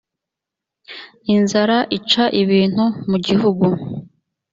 inzara ica ibintu mu gihugu